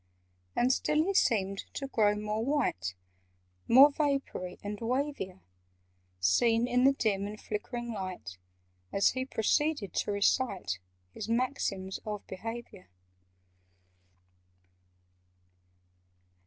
And still he seemed to grow more white, More vapoury, and wavier— Seen in the dim and flickering light, As he proceeded to recite His "Maxims of Behaviour."